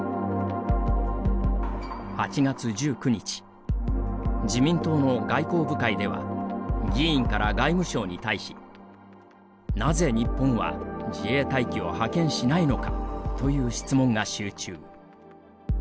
８月１９日自民党の外交部会では議員から外務省に対し「なぜ、日本は自衛隊機を派遣しないのか」という質問が集中。